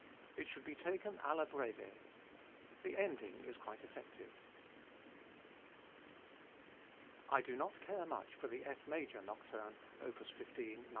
It should be taken alla breve. The ending is quite effective. I do not care much for the F major Nocturne, op. 15, No.